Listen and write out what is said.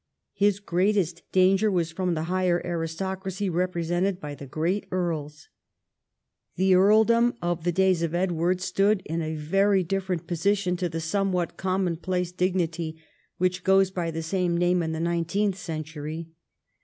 His greatest danger was from the higher aristocracy represented by the great earls. The earldom of the days of Edward stood 220 EDWARD I chap. in a very different position to the somewhat common place dignity which goes by the same name in the nine teenth century.